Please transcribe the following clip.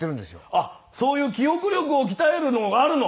あっそういう記憶力を鍛えるのがあるの？